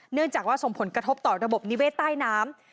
เนื่องจากว่าส่งผลกระทบต่อระบบนิเวศใต้น้ำ